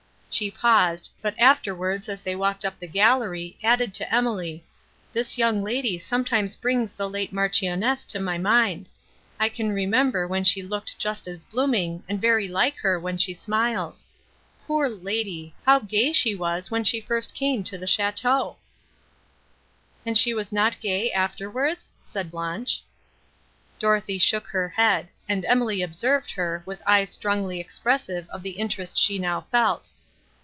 She paused, but afterwards, as they walked up the gallery, added to Emily, "this young lady sometimes brings the late Marchioness to my mind; I can remember, when she looked just as blooming, and very like her, when she smiles. Poor lady! how gay she was, when she first came to the château!" "And was she not gay, afterwards?" said Blanche. Dorothée shook her head; and Emily observed her, with eyes strongly expressive of the interest she now felt.